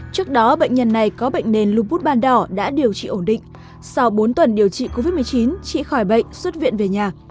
trước đó bệnh nhân này có bệnh nền lubud ban đỏ đã điều trị ổn định sau bốn tuần điều trị covid một mươi chín chị khỏi bệnh xuất viện về nhà